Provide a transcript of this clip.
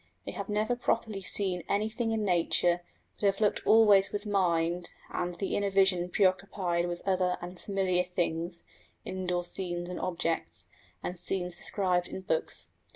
They have never properly seen anything in nature, but have looked always with mind and the inner vision preoccupied with other and familiar things indoor scenes and objects, and scenes described in books.